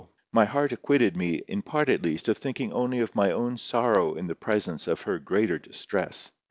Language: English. My heart acquitted me, in part at least, of thinking only of my own sorrow in the presence of her greater distress.